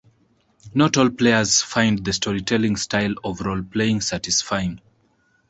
Not all players find the storytelling style of role-playing satisfying.